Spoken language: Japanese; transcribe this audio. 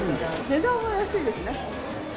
値段は安いですね。